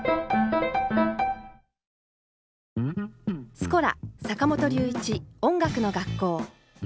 「スコラ坂本龍一音楽の学校」。